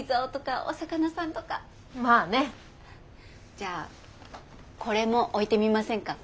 じゃあこれも置いてみませんか。